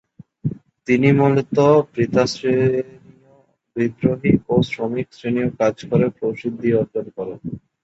তিনি মূলত পিতাশ্রেণীয়, বিদ্রোহী ও শ্রমিক শ্রেণীয় কাজ করে প্রসিদ্ধি অর্জন করেন।